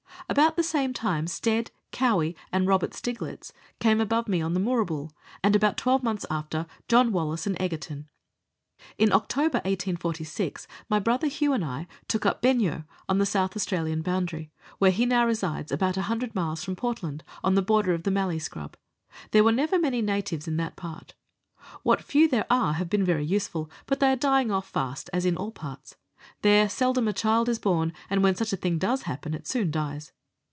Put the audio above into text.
About the same time Stead, Cowie, and Robert Steiglitz came above me on the Moorabool, and, about twelve months after, John Wallace and Egerton. In October 1846 my brother Hugh and I took up Benyeo on the South Australian boundary, where he now resides, about 100 miles from Portland, on the border of the mallee scrub. There never were many natives in that part. What few there are have been very useful, but they are dying off fast as in all parts ; there seldom is a child born, and when such a thing does happen it soon dies.